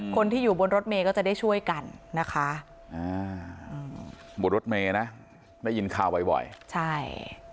คนที่อยู่บนรถเมย์ก็จะได้ช่วยกันนะคะบนรถเมย์นะได้ยินข่าวบ่อยใช่